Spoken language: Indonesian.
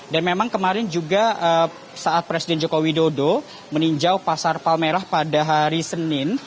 dan memang kemarin juga saat presiden joko widodo meninjau pasar palmerah pada hari senin